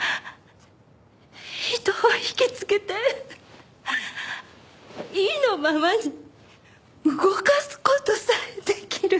人を引きつけて意のままに動かす事さえできる。